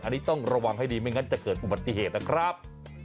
อันนี้ต้องระวังให้ดีไม่งั้นจะเกิดอุบัติเหตุนะครับ